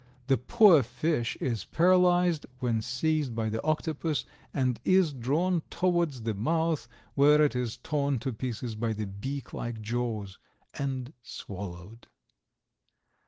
The poor fish is paralyzed when seized by the octopus and is drawn towards the mouth, where it is torn to pieces by the beak like jaws, and swallowed.